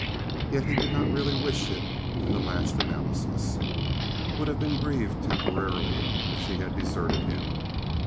Yet he really did not wish it in the last analysis—would have been grieved temporarily if she had deserted him.